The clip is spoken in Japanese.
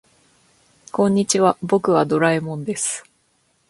こんにちは、僕はドラえもんです。